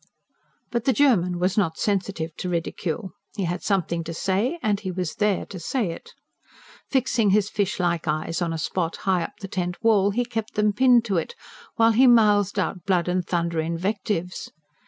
But the German was not sensitive to ridicule. He had something to say, and he was there to say it. Fixing his fish like eyes on a spot high up the tent wall, he kept them pinned to it, while he mouthed out blood and thunder invectives.